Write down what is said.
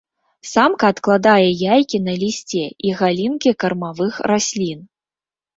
Самка адкладае яйкі на лісце і галінкі кармавых раслін.